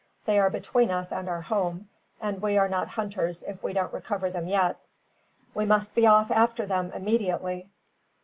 They are between us and our home, and we are not hunters if we don't recover them yet. We must be off after them immediately."